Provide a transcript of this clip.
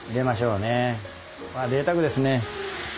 うわぜいたくですね。